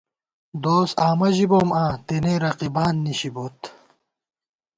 دوس آمہ ژِبوم آں ، تېنے رقیبان نِشِبوت